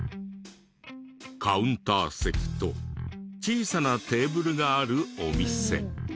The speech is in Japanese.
カウンター席と小さなテーブルがあるお店。